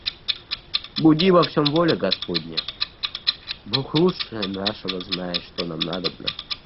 Буди во всем воля господня! Бог лучше нашего знает, что нам надобно.